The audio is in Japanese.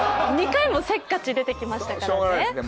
２回も、せっかち出てきましたからね。